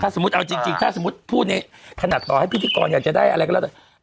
สมมุติเอาจริงถ้าสมมุติพูดในขณะต่อให้พิธีกรอยากจะได้อะไรก็แล้วแต่